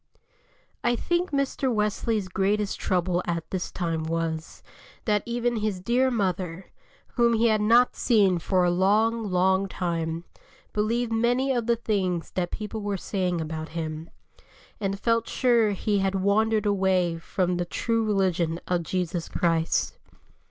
I THINK Mr. Wesley's greatest trouble at this time was, that even his dear mother, whom he had not seen for a long, long time, believed many of the things that people were saying about him, and felt sure he had wandered away from the true religion of Jesus Christ.